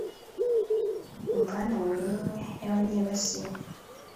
umvane mu minwe y'abanyibasiye